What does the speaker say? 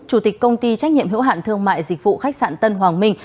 chủ tịch công ty trách nhiệm hữu hạn thương mại dịch vụ khách sạn tân hoàng minh